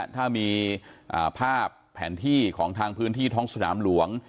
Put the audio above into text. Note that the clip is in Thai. ถ้ามีภาพแผนที่ของทางพื้นที่ท้องสนามหลวง